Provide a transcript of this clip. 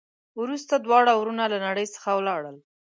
وروسته دواړه ورونه له نړۍ څخه ولاړل.